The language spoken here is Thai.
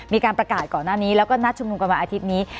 มีการประกาศก่อนหน้านี้แล้วก็นัดชุมนุมกันวันอาทิตย์นี้